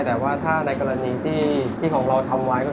แต่ว่าถ้าในกรณีที่ของเราทำไว้ก็คือ